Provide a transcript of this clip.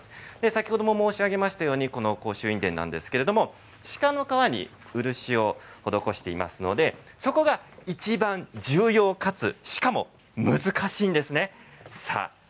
先ほども申し上げましたようにこの甲州印伝鹿の革に漆を施していますのでそこがいちばん重要かつ、しかも難しいんですね。